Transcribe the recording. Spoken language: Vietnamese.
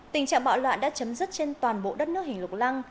tình trạng bạo loạn đã chấm dứt trên toàn bộ đất nước hình lục lăng